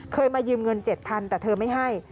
เคยมายืมเงิน๗๐๐๐บาทแต่เธอไม่ให้